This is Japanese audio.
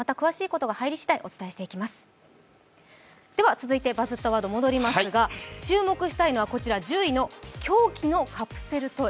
続いて、バズったワードに戻りますが、注目したいのはこちら、１０位の狂気のカプセルトイ。